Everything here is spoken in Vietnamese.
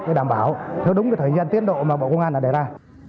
để đảm bảo theo đúng thời gian tiến độ mà bộ công an đã đề ra